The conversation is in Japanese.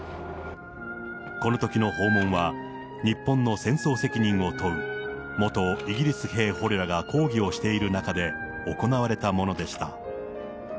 このときの訪問は、日本の戦争責任を問う元イギリス兵捕虜らが抗議をしている中で行われたものでした。